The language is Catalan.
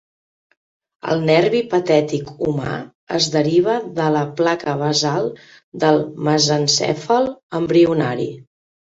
El nervi patètic humà es deriva de la placa basal del mesencèfal embrionari.